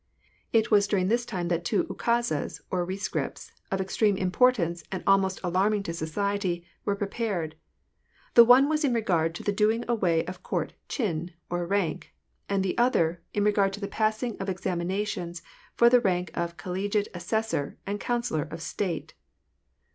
It was during this time that two ukazes, or rescripts, of extreme importance and most alarming to society, were pre pared : the one was in regard to the doing away of Court ehifh or rank ; and the other, in regard to the passing of examina tions for the rank of CoUegiate Assessor and Councillor of State.